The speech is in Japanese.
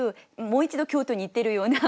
もう一度京都に行ってるような